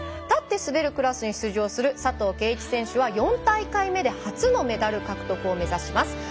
立って滑るクラスに出場する佐藤圭一選手は４大会目で初のメダル獲得を目指します。